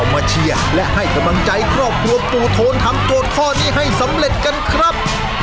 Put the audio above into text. มาเชียร์และให้กำลังใจครอบครัวปู่โทนทำโจทย์ข้อนี้ให้สำเร็จกันครับ